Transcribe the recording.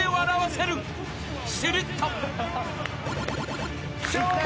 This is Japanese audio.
すると］